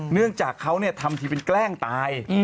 เนื่องจากเขาทำทีเป็นแกล้งตาย